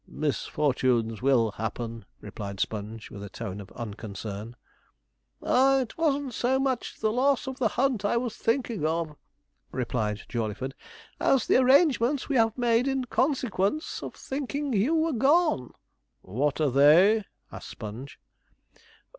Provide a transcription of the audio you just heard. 'Misfortunes will happen,' replied Sponge, in a tone of unconcern. 'Ah, it wasn't so much the loss of the hunt I was thinking of,' replied Jawleyford, 'as the arrangements we have made in consequence of thinking you were gone.' 'What are they?' asked Sponge.